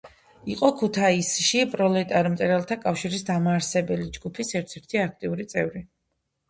იყო ქუთაისში პროლეტარ მწერალთა კავშირის დამაარსებელი ჯგუფის ერთ-ერთი აქტიური წევრი.